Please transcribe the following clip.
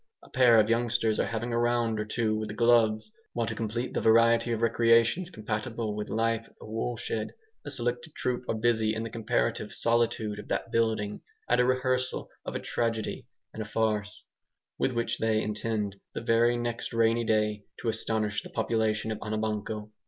A pair of youngsters are having a round or two with the gloves; while to complete the variety of recreations compatible with life at a woolshed, a selected troupe are busy in the comparative solitude of that building, at a rehearsal of a tragedy and a farce, with which they intend, the very next rainy day, to astonish the population of Anabanco.